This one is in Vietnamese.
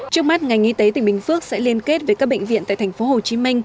trước mắt ngành y tế tỉnh bình phước sẽ liên kết với các bệnh viện tại tp hcm